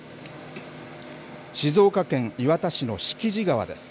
静岡県磐田市の敷地川です。